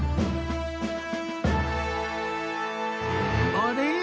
あれ？